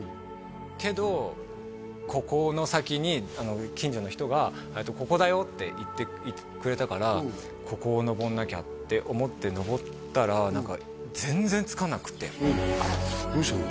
けどここの先に近所の人が「ここだよ」って言ってくれたからここをのぼんなきゃって思ってのぼったら何か全然着かなくてどうしたの？